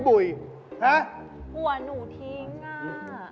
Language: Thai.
หัวหนูทิ้งอ่ะ